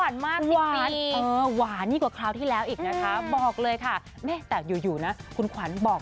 ใช่ว่านี่กว่าคราวที่แล้วอีก